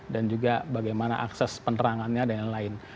dan juga bagaimana akses penerangannya dan lain lain